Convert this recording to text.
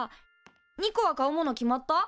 ニコは買うもの決まった？